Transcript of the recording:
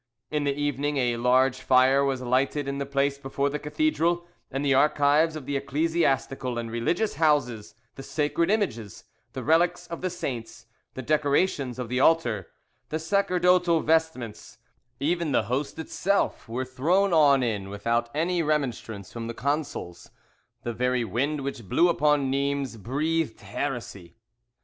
In the evening a large fire was lighted in the place before the cathedral, and the archives of the ecclesiastical and religious houses, the sacred images, the relics of the saints, the decorations of the altar, the sacerdotal vestments, even the Host itself, were thrown on it without any remonstrance from the consuls; the very wind which blew upon Nimes breathed heresy.